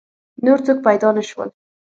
نور څوک پیدا نه شول.